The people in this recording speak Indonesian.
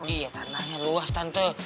iya tanahnya luas tante